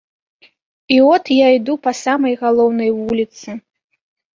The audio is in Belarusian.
І от я іду па самай галоўнай вуліцы.